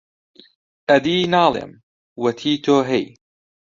ئەدی ناڵێم، وەتی تۆ هەی،